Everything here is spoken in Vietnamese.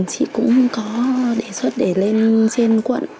chị cũng có đề xuất để lên trên quận